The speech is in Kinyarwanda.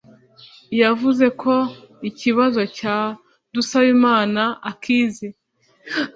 yavuze ko ikibazo cya Dusabimana akizi